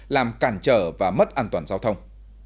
làm cản trở và mất an toàn giao thông